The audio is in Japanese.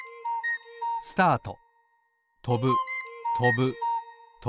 スタート！